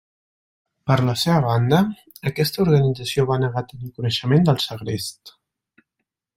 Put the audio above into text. Per la seva banda, aquesta organització va negar tenir coneixement del segrest.